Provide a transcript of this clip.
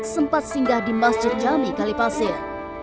sempat singgah di masjid jami kalipasir